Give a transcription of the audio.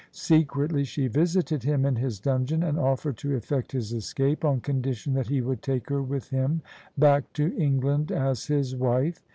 Secretly she visited him in his dungeon, and offered to effect his escape on condition that he would take her with him back to England as his wife.